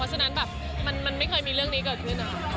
เพราะฉะนั้นแบบมันไม่เคยมีเรื่องนี้เกิดขึ้น